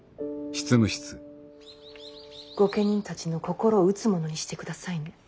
御家人たちの心を打つものにしてくださいね。